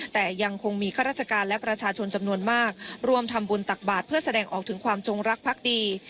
แต่ยังคงมีข้าราชการและประชาชนจำนวนมากร่วมทำบุญตักบาทเพื่อแสดงออกถึงความจงรักพักดี